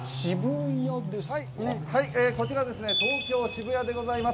こちら東京・渋谷でございます。